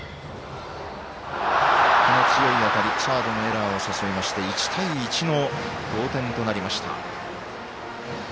この強い当たりサードのエラーを誘いまして１対１の同点となりました。